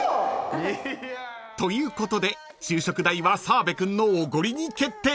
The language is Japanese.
［ということで昼食代は澤部君のおごりに決定］